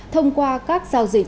thông qua các giao dịch